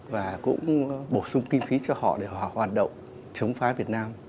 và cũng bổ sung kinh phí cho họ để họ hoạt động chống phá việt nam